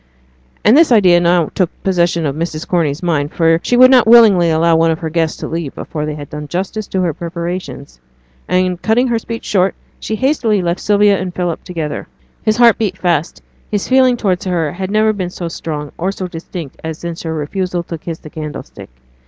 And this idea now took possession of Mrs. Corney's mind, for she would not willingly allow one of her guests to leave before they had done justice to her preparations; and, cutting her speech short, she hastily left Sylvia and Philip together. His heart beat fast; his feeling towards her had never been so strong or so distinct as since her refusal to kiss the 'candlestick.'